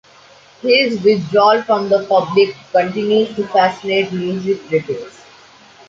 His withdrawal from the public continues to fascinate music critics.